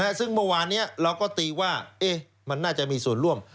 ซึ่งเมื่อวานนี้เราก็ตีว่ามันน่าจะมีส่วนร่วม